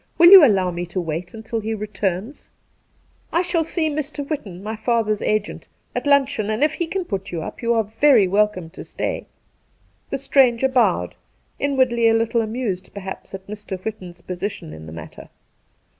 Will you allow me to wait until he returns ?'' I shall see Mr. Whitton, my father's agent, at luncheon, and if he' can put you up you are very welcome to stay.' The stranger bowed, inwardly a little amused perhaps at Mr. Whitton's position in the matter.